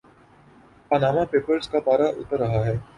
Panama Papers کا پارہ اتر رہا ہے۔